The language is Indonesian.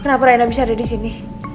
kenapa anda bisa ada di sini